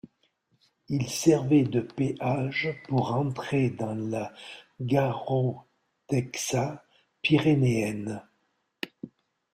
Il servait de péage pour entrer dans la Garrotxa pyrénéenne.